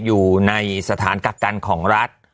อยู่ในสถานกักกันของรัฐ